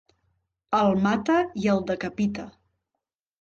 El mata i el decapita.